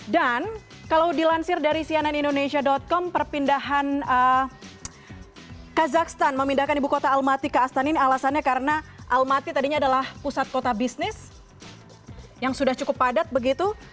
dan kalau dilansir dari siananindonesia com perpindahan kazakhstan memindahkan ibu kota almaty ke astana ini alasannya karena almaty tadinya adalah pusat kota bisnis yang sudah cukup padat begitu